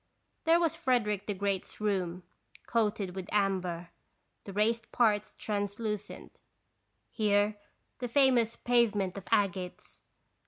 There was Frederick the Great's room, coated with amber, the raised parts translucent; here the famous pavement of agates.